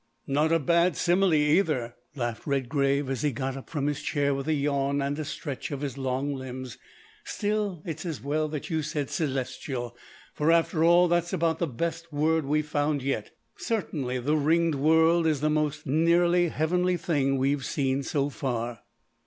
"Not at all a bad simile either," laughed Redgrave, as he got up from his chair with a yawn and a stretch of his long limbs, "still, it's as well that you said celestial, for, after all, that's about the best word we've found yet. Certainly the Ringed World is the most nearly heavenly thing we've seen so far.